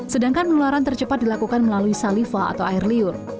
sedangkan penularan tercepat dilakukan melalui saliva atau air liur